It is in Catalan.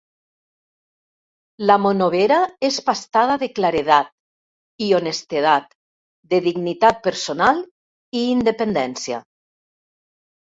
La monovera és pastada de claredat i honestedat, de dignitat personal i independència.